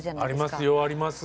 ありますよあります。